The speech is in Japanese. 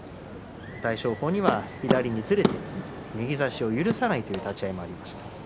大翔鵬には左にずれて右差しを許さない立ち合いでした。